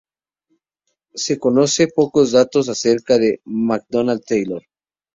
Se conoce pocos datos acerca de MacDonald Taylor.